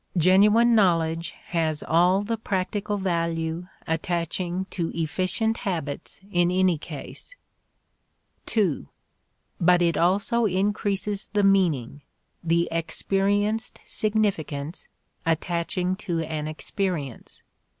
Genuine knowledge has all the practical value attaching to efficient habits in any case. (ii) But it also increases the meaning, the experienced significance, attaching to an experience.